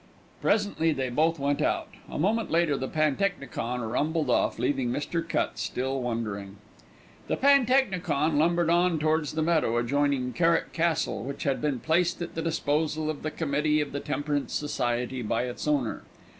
Presently they both went out. A moment later the pantechnicon rumbled off, leaving Mr. Cutts still wondering. The pantechnicon lumbered on towards the meadow adjoining Kerrick Castle, which had been placed at the disposal of the committee of the Temperance Society by its owner.